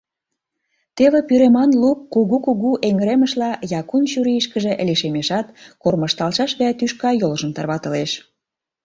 Теве пӱреман лук кугу-кугу эҥыремышла Якун чурийышкыже лишемешат, кормыжталшаш гай тӱшка йолжым тарватылеш...